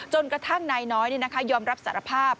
กระทั่งนายน้อยยอมรับสารภาพ